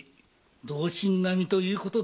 同心並みということで。